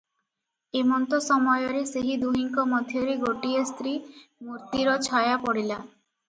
ଏମନ୍ତ ସମୟରେ ସେହି ଦୁହିଁଙ୍କ ମଧ୍ୟରେ ଗୋଟିଏ ସ୍ତ୍ରୀ ମୂର୍ତ୍ତିର ଛାୟା ପଡ଼ିଲା ।